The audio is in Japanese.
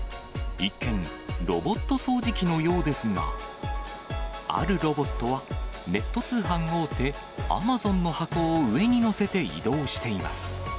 一見、ロボット掃除機のようですが、あるロボットはネット通販大手、アマゾンの箱を上に載せて移動しています。